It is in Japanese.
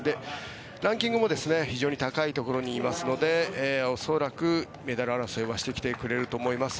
ランキングも非常に高いところにいますので恐らくメダル争いはしてきてくれると思います。